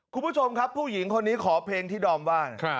คุณผู้ชมครับผู้หญิงคนนี้ขอเพลงที่ดอมว่า